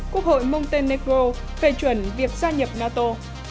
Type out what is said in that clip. quốc hội montenegro phê chuẩn việc gia nhập nato